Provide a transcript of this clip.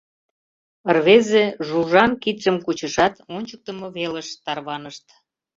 Рвезе Жужан кидшым кучышат, ончыктымо велыш тарванышт.